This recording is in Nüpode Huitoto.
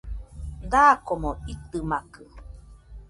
Dakomo itɨmakɨ